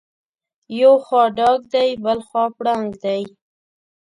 یو خوا ډاګ دی بلخوا پړانګ دی.